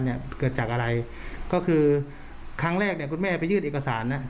เกิดจากอะไรก็คือครั้งแรกเนี่ยคุณแม่ไปยื่นเอกสารนะ